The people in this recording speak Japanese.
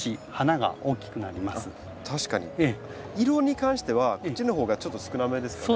色に関してはこっちの方がちょっと少なめですかね。